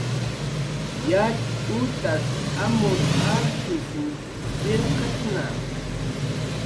Yatx utas amur arshisn pirqatna